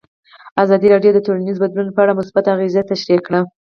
ازادي راډیو د ټولنیز بدلون په اړه مثبت اغېزې تشریح کړي.